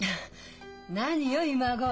何よ今頃。